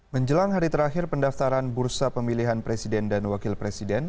menjelang hari terakhir pendaftaran bursa pemilihan presiden dan wakil presiden